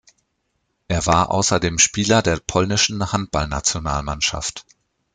Er war außerdem Spieler der polnischen Handballnationalmannschaft.